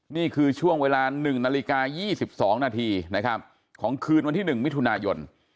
นี่คือช่วงเวลา๑นาฬิกา๒๒นาทีนะครับของคืนวันที่๑มิถุนายน